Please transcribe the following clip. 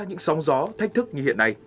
những sóng gió thách thức như hiện nay